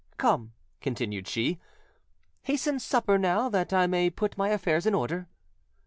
Come," continued she, "hasten supper now, that I may put my affairs in order".